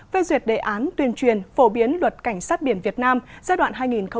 về duyệt đề án tuyên truyền phổ biến luật cảnh sát biển việt nam giai đoạn hai nghìn một mươi tám hai nghìn hai mươi